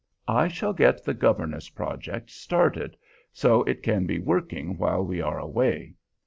I shall get the governess project started, so it can be working while we are away.